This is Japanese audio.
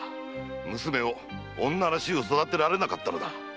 娘を女らしゅう育てられなかったのだ。